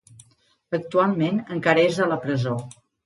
Actualment encara és a la presó.